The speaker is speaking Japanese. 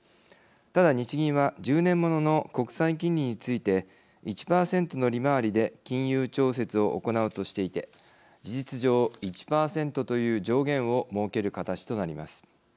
ただ日銀は１０年ものの国債金利について１％の利回りで金融調節を行うとしていて事実上１％という上限を設ける形となります。